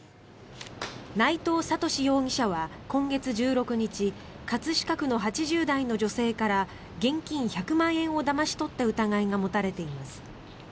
内藤智史容疑者は今月１６日葛飾区の８０代の女性から現金１００万円をだまし取った疑いが持たれています。